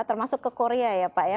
termasuk ke korea ya pak ya